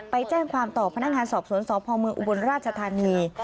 ไปแจ้งความต่อพนักงานสอบสวนสพเมืองอุบลราชธานี